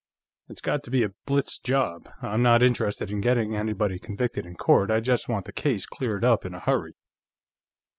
It's got to be a blitz job. I'm not interested in getting anybody convicted in court; I just want the case cleared up in a hurry."